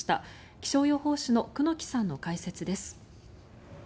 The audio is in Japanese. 気象予報士の久能木さんの解説です。